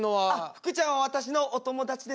ふくちゃんは私のお友達です。